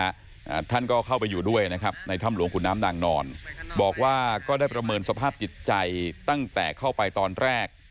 อ่าท่านก็เข้าไปอยู่ด้วยนะครับในถ้ำหลวงขุนน้ำนางนอนบอกว่าก็ได้ประเมินสภาพจิตใจตั้งแต่เข้าไปตอนแรก